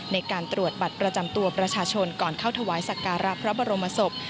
ในการตรวจบัตรประจำตัวประชาชนก่อนเข้าถวายสักการะพระบรมศพ